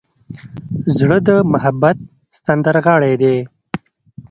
زړه د محبت سندرغاړی دی.